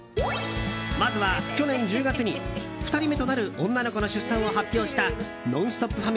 まずは、去年１０月に２人目となる女の子の出産を発表した「ノンストップ！」